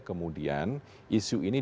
kemudian isu ini